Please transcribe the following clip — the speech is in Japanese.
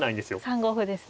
３五歩ですね。